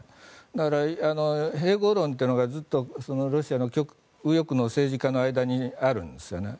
だから、併合論というのがずっとロシアの右翼の政治家の間にあるんですよね。